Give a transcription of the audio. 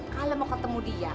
kalau mau ketemu dia